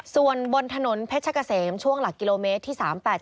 ส่วนบนถนนเพชรกะเสมช่วงหลักกิโลเมตรที่๓๘๗